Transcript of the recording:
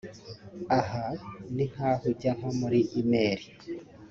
Aha ni nk’aho ujya nko muri email